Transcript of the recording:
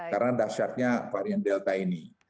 karena dasyatnya varian delta ini